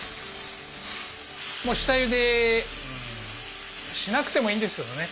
もう下ゆでしなくてもいいんですけどね。